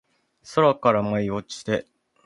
空から舞い落ちて